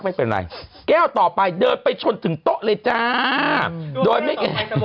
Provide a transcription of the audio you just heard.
นี่นี่นี่นี่นี่นี่นี่นี่